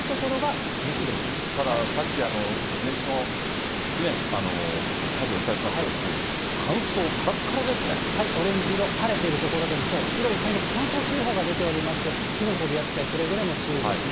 ただ、さっき、姫路のね、火事お伝えしましたけれども、乾燥、オレンジ色、晴れてる所でもそう、広い範囲で乾燥注意報が出ておりまして、火の取り扱い、くれぐれも注意ですね。